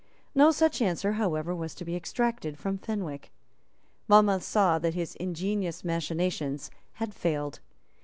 No such answer however was to be extracted from Fenwick. Monmouth saw that his ingenious machinations had failed.